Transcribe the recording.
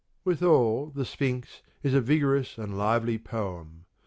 Withal the "Sphinx" is a vigorous and lively poem.